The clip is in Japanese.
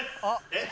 えっ？